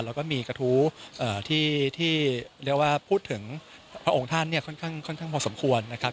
เราก็มีกระทู้ที่พูดถึงพระองค์ท่านค่อนข้างพอสมควรนะครับ